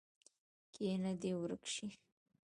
کینه دې ورک شي.